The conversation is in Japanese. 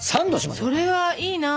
それはいいな。